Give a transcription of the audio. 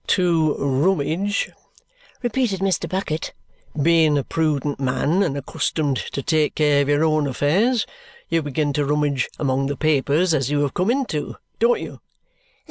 "To rummage," repeated Mr. Bucket. "Being a prudent man and accustomed to take care of your own affairs, you begin to rummage among the papers as you have come into; don't you?"